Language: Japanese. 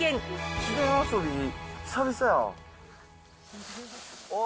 自然遊び、久々やわ。